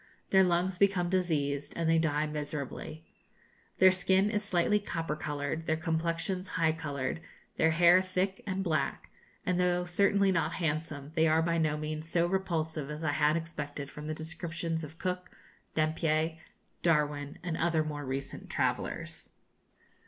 Their lungs become diseased, and they die miserably. Their skin is slightly copper coloured, their complexions high coloured, their hair thick and black; and, though certainly not handsome, they are by no means so repulsive as I had expected from the descriptions of Cook, Dampier, Darwin, and other more recent travellers. [Illustration: Fuegian Weapons.